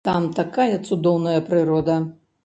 Там такая цудоўная прырода!